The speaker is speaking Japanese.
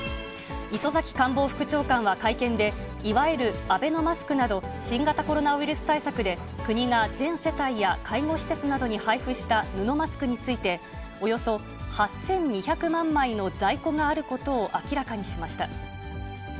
磯崎官房副長官は会見で、いわゆるアベノマスクなど新型コロナウイルス対策で、国が全世帯や介護施設などに配布した布マスクについて、およそ８２００万枚の在庫があることを明らかにしました。